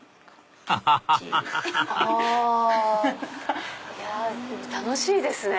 ハハハハハハいや楽しいですね！